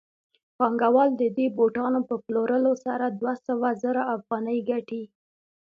پانګوال د دې بوټانو په پلورلو سره دوه سوه زره افغانۍ ګټي